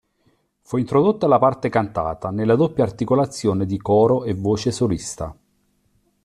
Fu introdotta la parte cantata, nella doppia articolazione di coro e voce solista.